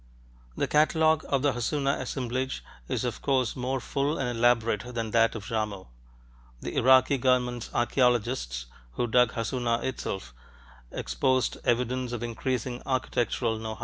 The catalogue of the Hassuna assemblage is of course more full and elaborate than that of Jarmo. The Iraqi government's archeologists who dug Hassuna itself, exposed evidence of increasing architectural know how.